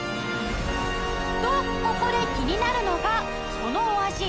とここで気になるのがそのお味